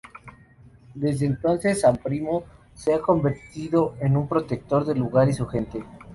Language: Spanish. Desde entonces san Primo se ha convertido en protector del lugar y su gente.